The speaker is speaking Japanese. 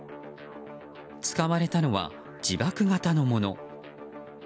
使われたのは自爆型のもの。